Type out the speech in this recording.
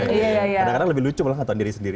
kadang kadang lebih lucu malah kata diri sendiri